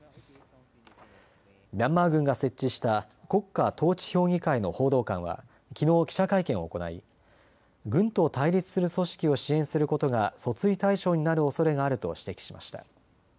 ミャンマー軍が設置した国家統治評議会の報道官はきのう記者会見を行い、軍と対立する組織を支援することが訴追対象になるおそれがあると指摘しました。